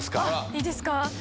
いいですか。